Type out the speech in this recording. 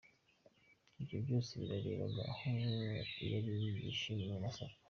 Ibyo byose yabireberaga aho yari yihishe mu masaka.